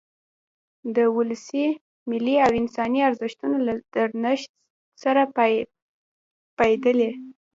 د ولسي، ملي او انساني ارزښتونو له درنښت سره پاېدلی.